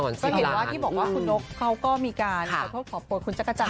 ก็เห็นว่าที่บอกว่าคุณนกเขาก็มีการขอโทษขอโพยคุณจักรจันท